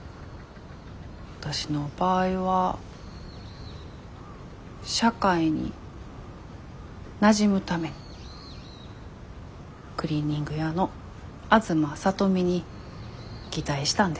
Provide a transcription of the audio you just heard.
わたしの場合は社会になじむために「クリーニング屋の東聡美」に擬態したんです。